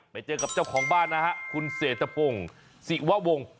ไปเจอกับเจ้าของบ้านคุณเศรษฐปงสิวะวง